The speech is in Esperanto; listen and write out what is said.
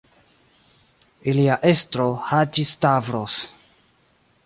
Ilia estro, Haĝi-Stavros.